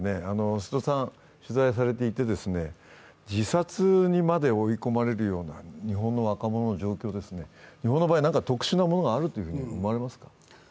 瀬戸さん、取材されていて、自殺にまで追い込まれるような日本の若者の状況ですね、日本の場合、特殊なものがあると思われますか。